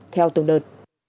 theo tuần đợt